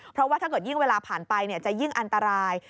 เพราะว่าถ้าเกิดยิ่งเวลาผ่านไปจะยิ่งอันตราย